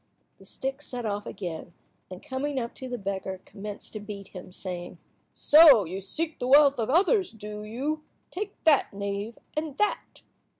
The stick set off again, and coming up to the beggar commenced to beat him, saying— "So you seek the wealth of others, do you? Take that, knave, and that."